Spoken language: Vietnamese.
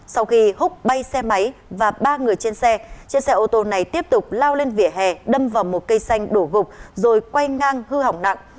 sau khi hút bay xe máy và ba người trên xe chiếc xe ô tô này tiếp tục lao lên vỉa hè đâm vào một cây xanh đổ gục rồi quay ngang hư hỏng nặng